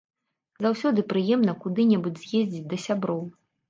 Заўсёды прыемна куды-небудзь з'ездзіць да сяброў.